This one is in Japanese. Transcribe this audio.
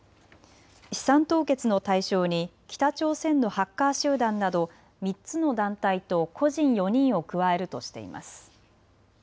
資産凍結の対象に北朝鮮のハッカー集団など３つの団体と個人４人を加えるとしています。